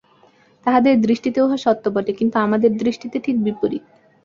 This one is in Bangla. তাহাদের দৃষ্টিতে উহা সত্য বটে, কিন্তু আমাদের দৃষ্টিতে ঠিক বিপরীত।